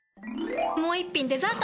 もう一品デザート！